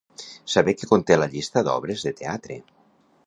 Saber què conté la llista d'obres de teatre.